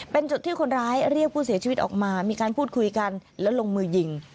เป็นจุดที่คนร้ายเรียกผู้เสียชีวิตออกมามีการพูดคุยกันแล้วลงมือยิง